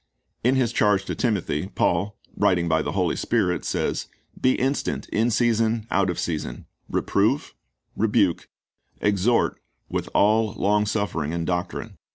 In his charge to Timothy, Paul, writing by the Holy Spirit, says, "Be instant in season, out of season; reprove, rebuke, exhort with all long suffering and doctrine."